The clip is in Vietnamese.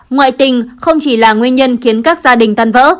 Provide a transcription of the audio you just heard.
ngoại tình không chỉ là nguyên nhân khiến các gia đình tan vỡ